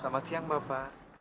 selamat siang baba